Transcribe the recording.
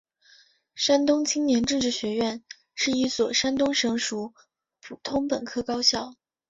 山东青年政治学院是一所山东省属普通本科高校。